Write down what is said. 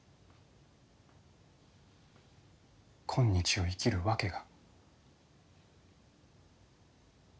今日を生きる訳が。